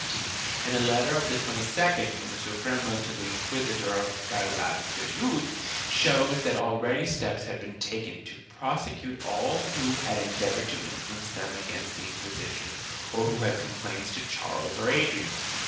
V] STRUGGLE IN SARAGOSSA 277 and a letter of the 22d, from the Suprema to the Inquisitor of Cala tayud, shows that already steps had been taken to prosecute all who had endeavored to influence them against the Inquisition or who had made complaints to Charles or Adrian.